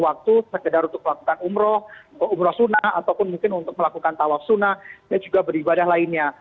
waktu sekedar untuk melakukan umroh umroh sunnah ataupun mungkin untuk melakukan tawaf sunnah dan juga beribadah lainnya